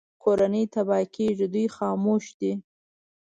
کورنۍ تباه کېږي دوی خاموش دي